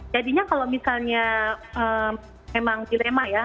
jadinya kalau misalnya memang dilema ya